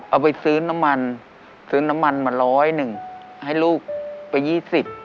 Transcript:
เอาไปซื้อน้ำมันซื้อน้ำมันมาร้อยหนึ่งให้ลูกไปยี่สิบ